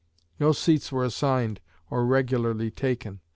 No seats were assigned or regularly taken.